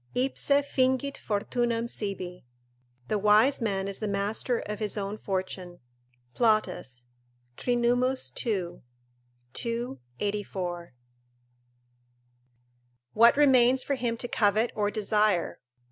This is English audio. ipse fingit fortunam sibi;" ["The wise man is the master of his own fortune," Plautus, Trin., ii. 2, 84.] what remains for him to covet or desire?